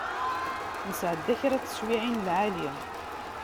Nesεedda kra n teswiεin n lεali.